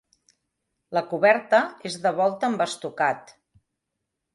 La coberta és de volta amb estucat.